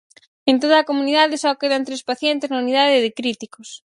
En toda a comunidade só quedan tres pacientes na unidade de críticos.